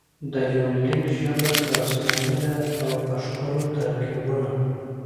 د يونليک ژبه داستاني ده او په ښکلو ترکيبونه.